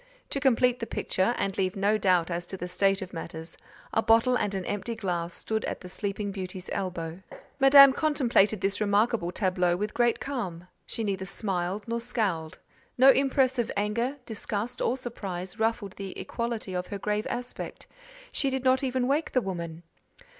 To complete the picture, and leave no doubt as to the state of matters, a bottle and an empty glass stood at the sleeping beauty's elbow. Madame contemplated this remarkable tableau with great calm; she neither smiled nor scowled; no impress of anger, disgust, or surprise, ruffled the equality of her grave aspect; she did not even wake the woman!